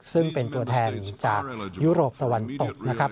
ซึ่งเป็นตัวแทนจากยุโรปตะวันตกนะครับ